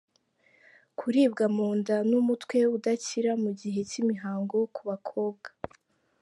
Kuribwa mu nda n’umutwe udakira mu gihe cy’imihango ku bakobwa.